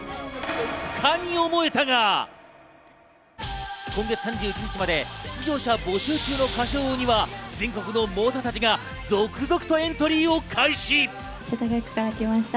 かに思えたが、今月３１日まで出場者募集中の『歌唱王』には全国の猛者たちが続々とエントリーを開始。